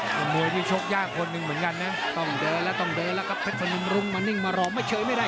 มายังมวยชกยากคนนึงเหมือนกันระเพชรพนุมรุ้งมานิ่งมะหรอกไม่เชย็ดไม่ได้